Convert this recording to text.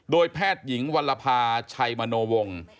โดยแพทย์หญิงวัลภาชัยมโนวงศ์